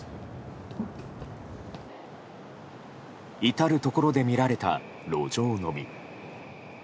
至るところで見られた路上飲み。